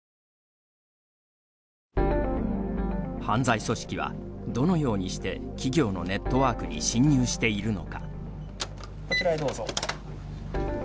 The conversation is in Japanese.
犯罪組織は、どのようにして企業のネットワークに侵入しているのか。